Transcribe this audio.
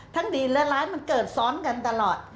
ทั้งดีเหลือหลายมันเกิดซ้อนกันตลอด